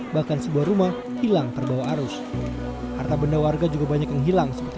bahkan sebuah rumah hilang terbawa arus harta benda warga juga banyak yang hilang seperti